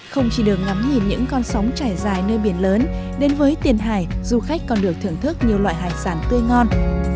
không chỉ được ngắm nhìn những con sóng trải dài nơi biển lớn đến với tiền hải du khách còn được thưởng thức nhiều loại hải sản tươi ngon